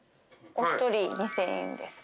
お一人２，０００円です。